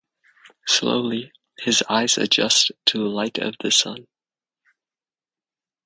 Slowly, his eyes adjust to the light of the sun.